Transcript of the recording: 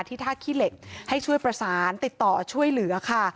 ท่าขี้เหล็กให้ช่วยประสานติดต่อช่วยเหลือค่ะ